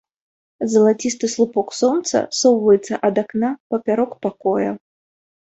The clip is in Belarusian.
Залацісты слупок сонца соваецца ад акна папярок пакоя.